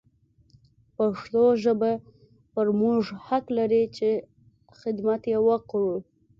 پښتو ژبه پر موږ حق لري چې حدمت يې وکړو.